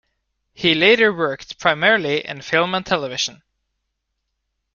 He later worked primarily in film and television.